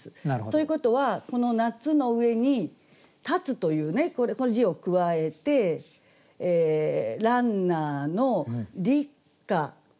ということはこの「夏」の上に「立つ」という字を加えて「ランナーの立夏の坂を折り返す」と。